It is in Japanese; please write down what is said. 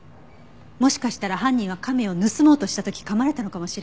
もしかしたら犯人は亀を盗もうとした時かまれたのかもしれない。